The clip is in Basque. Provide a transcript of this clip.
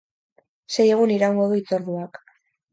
Sei egun iraungo du hitzorduak.